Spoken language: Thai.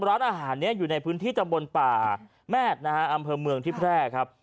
ร้านอาหารนี้อยู่ในพื้นที่ตำบลป่าแมทนะฮะอำเภอเมืองที่แพร่ครับ